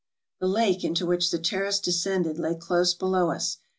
The lake into which the Terrace descended lay close below us.